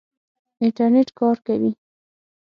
انټرنېټ کار کوي؟